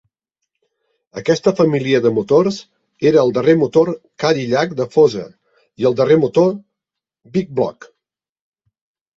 Aquesta família de motors era el darrer motor Cadillac de fosa i el darrer motor "big-block".